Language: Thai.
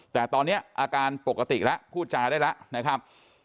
แต่ตอนนี้อาการปกติแล้วพูดจาได้แล้วนะครับ